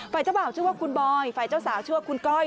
เจ้าบ่าวชื่อว่าคุณบอยฝ่ายเจ้าสาวชื่อว่าคุณก้อย